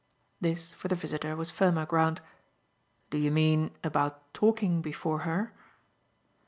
This, for the visitor, was firmer ground. "Do you mean about talking before her?"